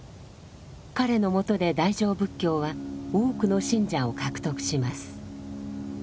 彼のもとで大乗仏教は多くの信者を獲得します。